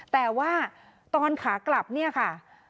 แต่ว่าตอนขากลับเนี่ยค่ะ